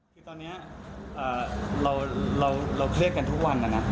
คือตอนนี้เราเครียดกันทุกวันนะนะ